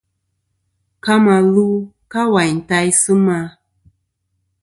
Ka mà lu ka wàyn taysɨ ma.